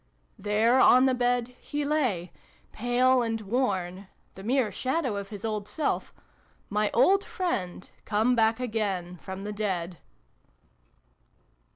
There on the bed, he lay pale and worn the mere shadow of his old self my old friend come back again from the dead